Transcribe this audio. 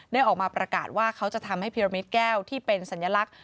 ออกมาประกาศว่าเขาจะทำให้พิรมิตแก้วที่เป็นสัญลักษณ